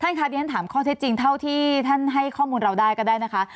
ค่ะดิฉันถามข้อเท็จจริงเท่าที่ท่านให้ข้อมูลเราได้ก็ได้นะคะ